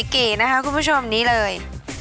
กี่นะคะคุณผู้ชมนี้เลย